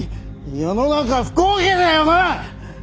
世の中不公平だよな！